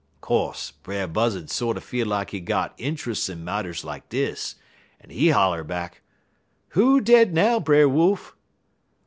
"Co'se Brer Buzzud sorter feel like he got intruss in marters like dis, en he holler back: "'Who dead now, Brer Wolf?'